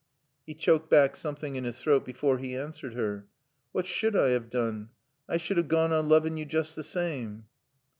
He choked back something in his throat before he answered her. "What sud I have doon? I sud have goan on looving yo joost the saame.